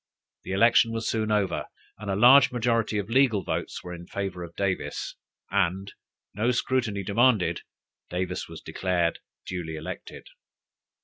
The election was soon over, and a large majority of legal votes were in favor of Davis, and no scrutiny demanded, Davis was declared duly elected.